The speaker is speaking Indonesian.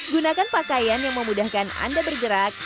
gunakan pakaian yang memudahkan anda bergerak